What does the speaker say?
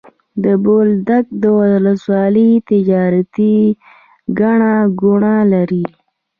د بولدک ولسوالي تجارتي ګڼه ګوڼه لري.